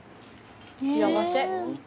幸せ。